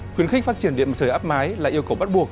khuyến khích phát triển điện trời áp mái là yêu cầu bắt buộc